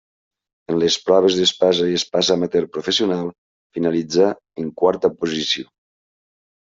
En les proves d'espasa i espasa amateur-professional finalitzà en quarta posició.